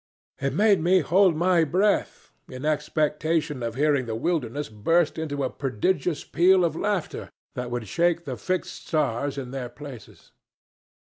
It made me hold my breath in expectation of hearing the wilderness burst into a prodigious peal of laughter that would shake the fixed stars in their places.